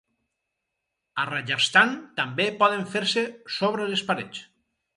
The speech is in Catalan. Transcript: Al Rajasthan també poden fer-se sobre les parets.